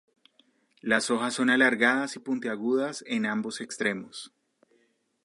Las hojas son alargadas y puntiagudas en ambos extremos.